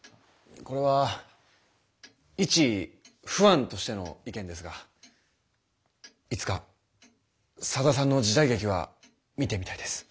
これは一ファンとしての意見ですがいつか佐田さんの時代劇は見てみたいです。